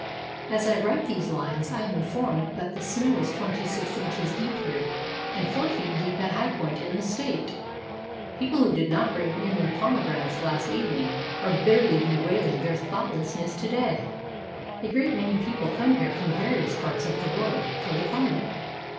As I write these lines I am informed that the snow is twenty six inches deep here and four feet deep at High Point in this State. People who did not bring in their pomegranates last evening are bitterly bewailing their thoughtlessness to day. A great many people come here from various parts of the world, for the climate.